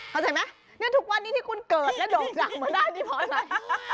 เข้าใจไหมเนี่ยทุกวันนี้ที่คุณเกิดแล้วโด่งดังมาได้นี่เพราะอะไร